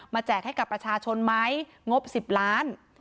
แจกให้กับประชาชนไหมงบ๑๐ล้าน